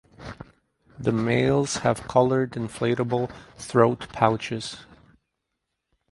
The males have coloured inflatable throat pouches.